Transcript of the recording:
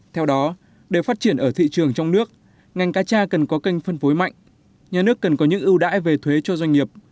theo đó để phát triển ở thị trường trong nước ngành cá tra cần có kênh phân phối mạnh nhà nước cần có những ưu đãi về thuế cho doanh nghiệp